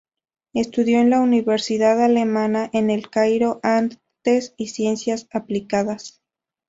Estudió en la Universidad Alemana en El Cairo artes y ciencias aplicadas.